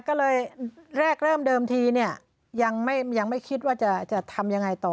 ก็เลยแรกเริ่มเดิมทีเนี่ยยังไม่คิดว่าจะทำยังไงต่อ